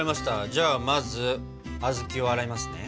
じゃあまず小豆を洗いますね。